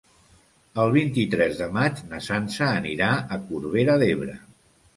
El vint-i-tres de maig na Sança anirà a Corbera d'Ebre.